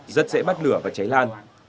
rất dễ bắt lửa và cháy lan